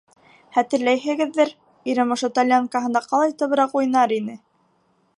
Хәтерләйһегеҙҙер, ирем ошо тальянкаһында ҡалайтыбыраҡ уйнар ине.